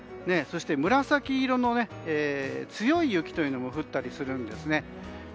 そして紫色の強い雪というのも降ったりするんですね。